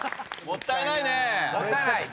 もったいないっす。